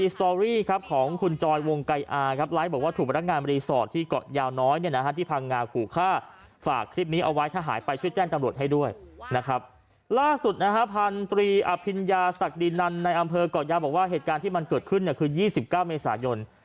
ศักดินในอำเภอก่อนแย้งบอกว่าเหตุการณ์ที่เกิดขึ้นคือ๒๙เมษายน